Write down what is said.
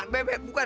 b b bukan